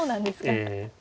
ええ。